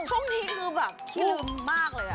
ช่วงนี้คือแบบเรื่องที่ลืมมากเลย